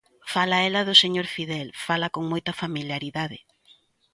Fala ela do señor Fidel, fala con moita familiaridade.